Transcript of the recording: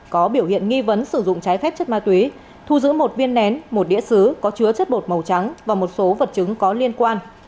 có biểu hiện nghi vấn sử dụng trái phép chất ma túy thu giữ một viên nén một đĩa xứ có chứa chất bột màu trắng và một số vật chứng có liên quan